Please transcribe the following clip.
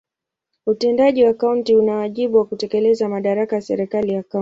Utendaji wa kaunti una wajibu wa kutekeleza madaraka ya serikali ya kaunti.